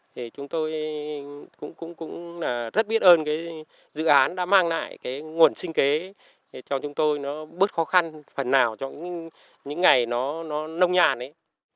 thì chúng tôi cũng rất biết ơn cái dự án đã mang lại cái nguồn sinh kế cho chúng tôi nó bớt khó khăn phần nào trong những ngày nó nông nhàn ấy